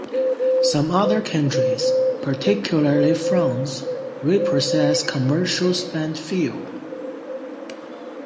Some other countries, particularly France, reprocess commercial spent fuel.